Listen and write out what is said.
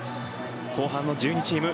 後半の１２チーム